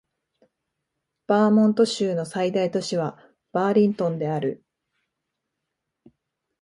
バーモント州の最大都市はバーリントンである